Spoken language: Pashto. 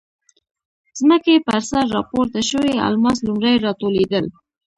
ځمکې پر سر راپورته شوي الماس لومړی راټولېدل.